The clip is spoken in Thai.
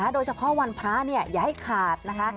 โดยเฉพาะวันพระอย่าให้ขาดนะคะ